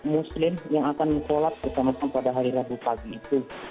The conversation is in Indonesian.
muslim yang akan menolak bersama kami pada hari rabu pagi itu